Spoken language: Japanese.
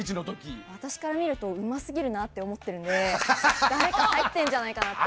私から見るとうますぎるなと思ってるんで誰か入ってるんじゃないかなって。